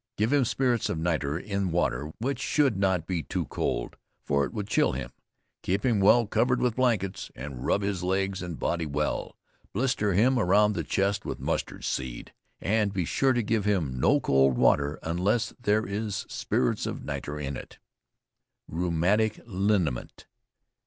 Give him spirits of nitre, in water which should not be too cold, for it would chill him. Keep him well covered with blankets, and rub his legs and body well; blister him around the chest with mustard seed, and be sure to give him no cold water, unless there is spirits of nitre in it. RHEUMATIC LINIMENT.